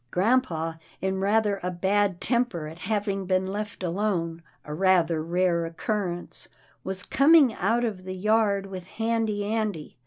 Grampa, in rather a bad temper at having been left alone — a rather rare occurrence — was com ing out of the yard with Handy Andy.